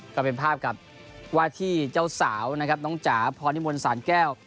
ก็เป็นภาพกับว่าที่เจ้าสาวนะครับน้องจ๋าพรนิมนต์สารแก้ว